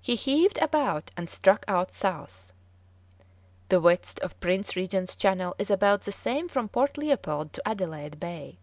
He heaved about, and struck out south. The width of Prince Regent's Channel is about the same from Port Leopold to Adelaide Bay.